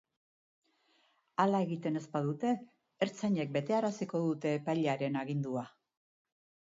Hala egiten ez badute, ertzainek betearaziko dute epailearen agindua.